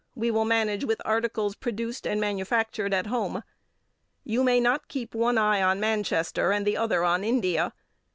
We will manage with articles produced and manufactured at home. You may not keep one eye on Manchester and the other on India.